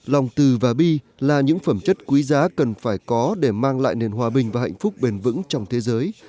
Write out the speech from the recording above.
lòng từ và bi là những phẩm chất quý giá cần phải có để mang lại nền hòa bình và hạnh phúc bền vững trong thế giới